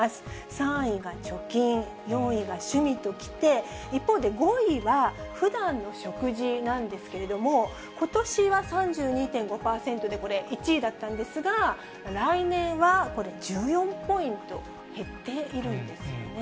３位が貯金、４位が趣味ときて、一方で５位はふだんの食事なんですけれども、ことしは３２．５％で、これ、１位だったんですが、来年はこれ、１４ポイント減っているんですよね。